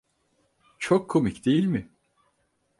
Çok komik, değil mi?